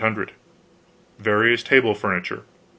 800 Various table furniture